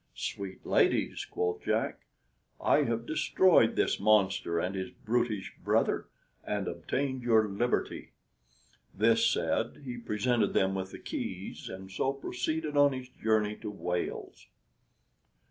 "Sweet ladies," quoth Jack, "I have destroyed this monster and his brutish brother, and obtained your liberty." This said he presented them with the keys, and so proceeded on his journey to Wales.